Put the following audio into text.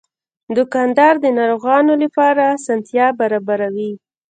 دوکاندار د ناروغانو لپاره اسانتیا برابروي.